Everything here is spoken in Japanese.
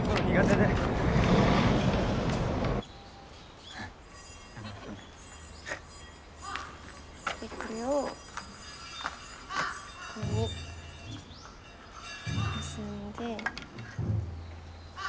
でこれをここに結んで。